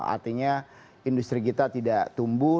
artinya industri kita tidak tumbuh